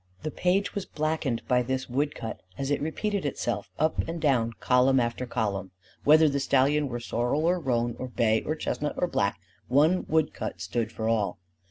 The page was blackened by this wood cut as it repeated itself up and down, column after column. Whether the stallion were sorrel or roan or bay or chestnut or black one wood cut stood for all.